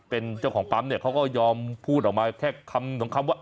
เป็นเจ้าของปั๊มเนี่ยเขาก็ยอมพูดออกมาแค่คำสองคำว่า